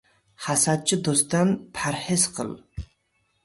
— Hasadchi do‘stdan parhez qil.